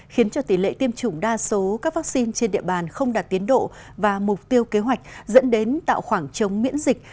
khiến cho tỷ lệ tiêm chủng đa số các vaccine trên địa bàn không đạt tiến độ và mục tiêu kế hoạch dẫn đến tạo khoảng trống miễn dịch